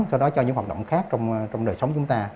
sau đó cho những hoạt động khác trong đời sống chúng ta